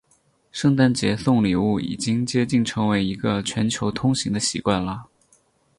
圣诞节送礼物已经接近成为一个全球通行的习惯了。